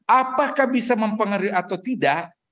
apakah bisa mempengaruhi atau tidak